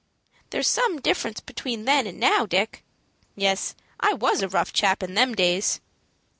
"There's some difference between then and now, Dick." "Yes. I was a rough chap in them days."